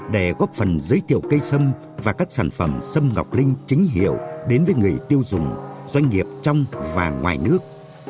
để góp phần giới thiệu cây sâm và các sản phẩm sâm ngọc linh chính hiệu đến với người tiêu dùng doanh nghiệp trong và ngoài nước